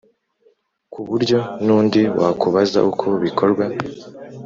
ku buryo n’undi wakubaza uko bikorwa